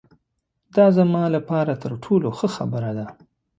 دا زما له پاره تر ټولو ښه خبره ده.